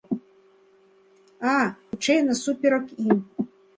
А, хутчэй, насуперак ім.